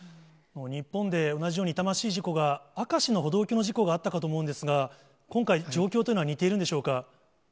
日本で同じように痛ましい事故が、明石の歩道橋の事故があったかと思うんですが、今回、状況というそうですね。